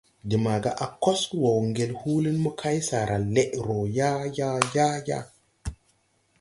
De maga a kos wo ŋgel húúli mo kay, saara leʼ roo yaayaa ! Yaayaa !